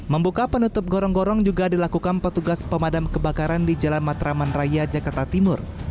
membuka penutup gorong gorong juga dilakukan petugas pemadam kebakaran di jalan matraman raya jakarta timur